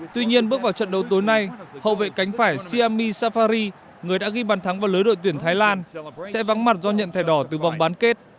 tuy nhiên bước vào trận đấu tối nay hậu vệ cánh phải siami safari người đã ghi bàn thắng vào lưới đội tuyển thái lan sẽ vắng mặt do nhận thẻ đỏ từ vòng bán kết